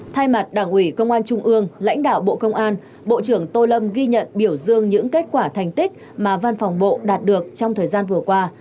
thay mặt đảng ủy công an trung ương lãnh đạo bộ công an bộ trưởng tô lâm ghi nhận biểu dương những kết quả thành tích mà văn phòng bộ đạt được trong thời gian vừa qua